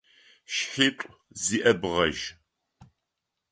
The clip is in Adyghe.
Шъхьитӏу зиӏэ бгъэжъ.